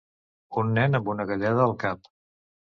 Un nen amb una galleda al cap.